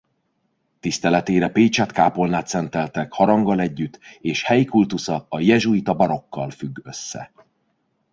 Tiszteletére Pécsett kápolnát szenteltek haranggal együtt és helyi kultusza a jezsuita barokkal függ össze.